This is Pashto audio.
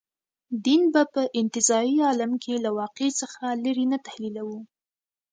دین به په انتزاعي عالم کې له واقع څخه لرې نه تحلیلوو.